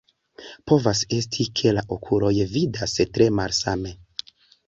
Povas esti, ke la okuloj vidas tre malsame.